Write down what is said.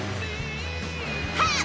はっ！